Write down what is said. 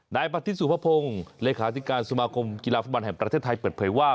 นายปฏิสุภพงศ์เลขาธิการสมาคมกีฬาฟุตบอลแห่งประเทศไทยเปิดเผยว่า